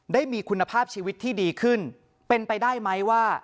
ได้มีคุณภาพชีวิตที่ดีขึ้นเป็นไปได้ไหมว่า